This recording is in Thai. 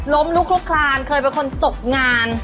ลุกลุกคลานเคยเป็นคนตกงาน